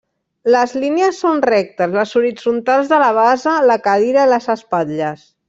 Les línies són rectes: les horitzontals de la base, la cadira i les espatlles.